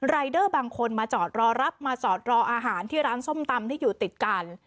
เดอร์บางคนมาจอดรอรับมาจอดรออาหารที่ร้านส้มตำที่อยู่ติดกัน